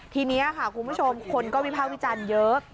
ทีนี้ค่ะคุณผู้ชมคนก็วิภาควิจารณ์เยอะ